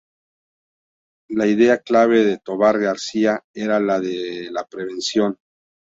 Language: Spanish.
La idea clave de Tobar García era la de la prevención.